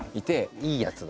いいやつだ。